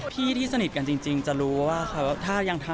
ที่ที่สนิทกันจริงจะรู้ว่า